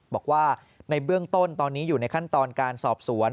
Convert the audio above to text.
บอกว่าในเบื้องต้นตอนนี้อยู่ในขั้นตอนการสอบสวน